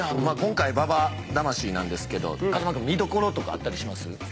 まあ今回ＢＡＢＡ魂なんですけど風間君見どころとかあったりします？